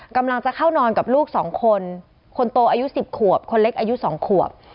กำลังจะเข้านอนกับลูกสองคนคนโตอายุ๑๐ขวบคนเล็กอายุ๒ขวบ